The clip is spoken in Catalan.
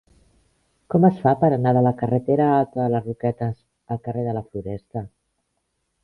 Com es fa per anar de la carretera Alta de les Roquetes al carrer de la Floresta?